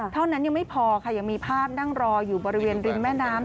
เท่านั้นยังไม่พอค่ะยังมีภาพนั่งรออยู่บริเวณริมแม่น้ำ